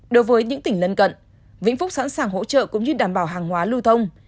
đối với những tỉnh lân cận vĩnh phúc sẵn sàng hỗ trợ cũng như đảm bảo hàng hóa lưu thông